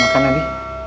ya makan abi